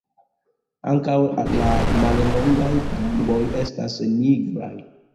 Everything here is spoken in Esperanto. Ankaŭ la mallongaj gamboj estas nigraj.